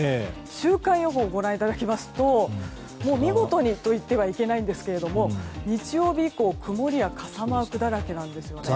週間予報ご覧いただきますと見事にといってはいけないんですけれども日曜日以降、曇りや傘マークだらけなんですよね。